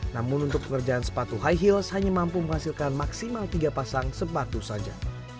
namun untuk pengerjaan sepatu high heels hanya mampu menghasilkan maksimal tiga pasang sepatu saja